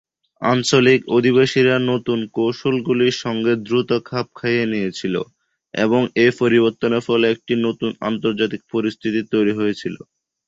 আঞ্চলিক অধিবাসীরা নতুন কৌশলগুলির সঙ্গে দ্রুত খাপ খাইয়ে নিয়েছিল, এবং এই পরিবর্তনের ফলে একটি নতুন আন্তর্জাতিক পরিস্থিতি তৈরি হয়েছিল।